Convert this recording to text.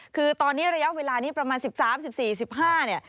คือตอนนี้ระยะเวลานี้ประมาณ๑๓๑๔๑๕เนี่ย